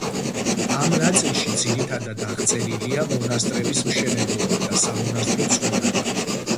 ამ ნაწილში ძირითადად აღწერილია მონასტრების მშენებლობა და სამონასტრო ცხოვრება.